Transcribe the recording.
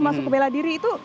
masuk ke bela diri itu